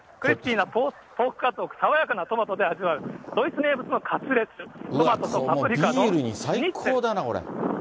ポークカツを爽やかなトマトで味わう、ドイツ名物のカツレツ、トマトとパプリカのシュニッツェル。